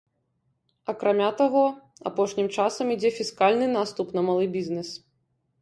Акрамя таго, апошнім часам ідзе фіскальны наступ на малы бізнес.